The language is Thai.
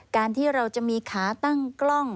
การที่เราจะมีขาตั้งกล้อง